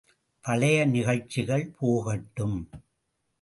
பழைய நிகழ்ச்சிகள் போகட்டும்!